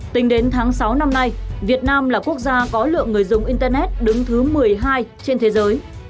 tính đến tháng sáu năm nay việt nam là quốc gia có lượng người dùng internet đứng thứ một mươi hai trên thế giới